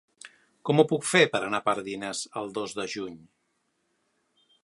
Com ho puc fer per anar a Pardines el dos de juny?